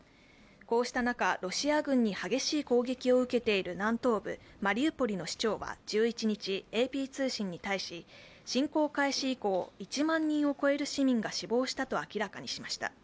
こうした中、ロシア軍に激しい攻撃を受けている南東部マリウポリの市長は１１日、ＡＰ通信に対し侵攻開始以降１万人を超える市民が死亡したと明らかにしました。